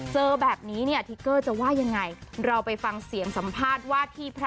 เจอแบบนี้เนี่ยทิเกอร์จะว่ายังไง